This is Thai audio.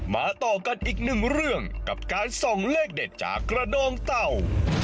ต่อกันอีกหนึ่งเรื่องกับการส่องเลขเด็ดจากกระดองเต่า